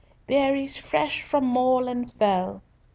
Berries fresh from moorland fell!"